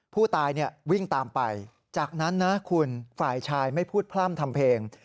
ผู้ตายวิ่งตามไปจากนั้นนะคุณฝ่ายชายไม่พูดพร่ำทำเพลง